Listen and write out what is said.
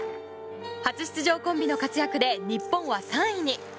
初出場コンビの活躍で日本は３位に。